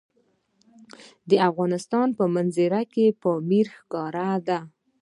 د افغانستان په منظره کې پامیر ښکاره ده.